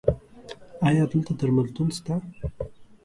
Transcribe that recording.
ایا دلته درملتون شته؟